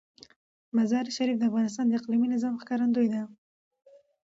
مزارشریف د افغانستان د اقلیمي نظام ښکارندوی ده.